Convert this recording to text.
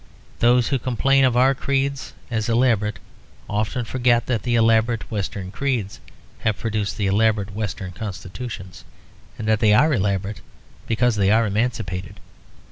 Those who complain of our creeds as elaborate often forget that the elaborate Western creeds have produced the elaborate Western constitutions; and that they are elaborate because they are emancipated.